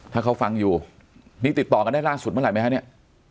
ถ้าเขาฟังอยู่นี่ติดต่อกันได้ล่าสุดเมื่อไหร่ฮะเนี่ย